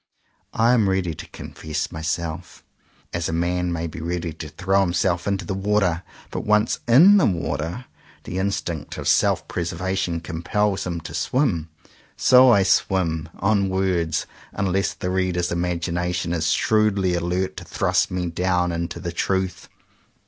I am ready to confess my self, as a man may be ready to throw him self into the water. But once in the water, the instinct of self preservation compels him to swim. So I swim — on words — unless the reader's imagination is shrewdly alert to thrust me down into the truth.